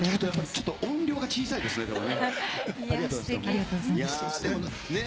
ちょっと音量が小さいですね、でもね。